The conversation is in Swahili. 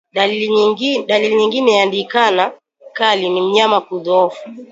Dalili nyingine ya ndigana kali ni mnyama kudhoofu